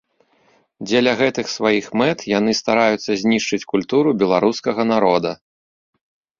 Дзеля гэтых сваіх мэт яны стараюцца знішчыць культуру беларускага народа.